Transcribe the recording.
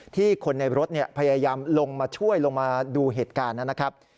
ที่คนในรถพยายามช่วยลงมาดูเหตุการณ์นั้น